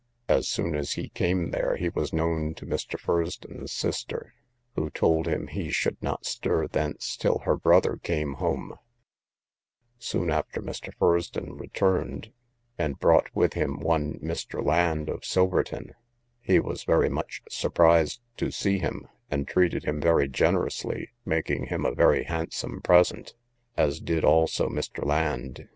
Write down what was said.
As soon as he came there, he was known to Mr. Fursdon's sister, who told him he should not stir thence till her brother came home; soon after Mr. Fursdon returned, and brought with him one Mr. Land, of Silverton: he was very much surprised to see him, and treated him very generously, making him a very handsome present, as did also Mr. Land.